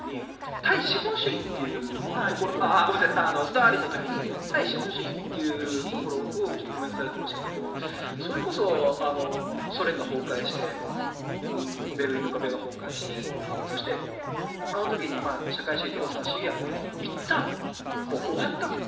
先ほど武隈さんがスターリンの時に対資本主義というところをコメントされていましたがそれこそソ連が崩壊してベルリンの壁が崩壊してそしてあの時に社会主義、共産主義はいったん終わったと。